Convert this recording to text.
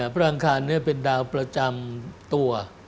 พระอังคารเป็นดาวประจำตัว